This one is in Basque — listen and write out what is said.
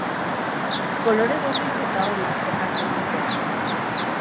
Kolore gorriz eta horiz jokatzen dute.